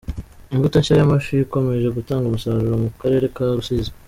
Imbuto nshya y’amafi ikomeje gutanga umusaruro Mukarere Karusizi